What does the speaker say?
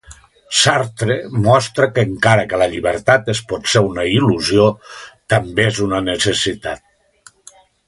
Sartre mostra que encara que la llibertat és potser una il·lusió, també és una necessitat.